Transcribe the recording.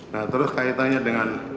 nah terus kaitannya dengan